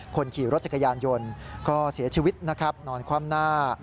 คนขี่รถจักรยานยนต์ก็เสียชีวิตนะครับนอนคว่ำหน้า